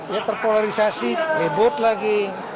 ya terpolarisasi ribut lagi